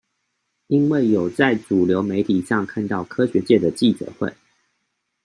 因為有在主流媒體上看到科學界的記者會